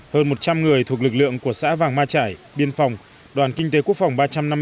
hơn một trăm linh người thuộc lực lượng của xã vàng ma trải biên phòng đoàn kinh tế quốc phòng ba trăm năm mươi bốn